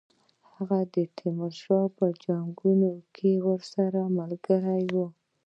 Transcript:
هغه د تیمور په جنګونو کې ورسره ملګری وو.